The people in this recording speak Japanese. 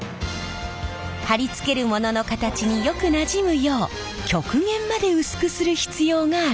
貼り付けるものの形によくなじむよう極限まで薄くする必要があります。